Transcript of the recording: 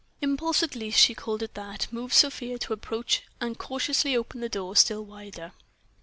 Impulse, at least she called it that, moved Sofia to approach and cautiously open the door still wider.